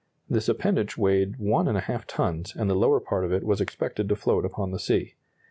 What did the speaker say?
This appendage weighed 1½ tons, and the lower part of it was expected to float upon the sea.